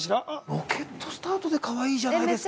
ロケットスタートでかわいいじゃないですか。